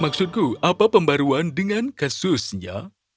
maksudku apa pembaruan dengan kasusnya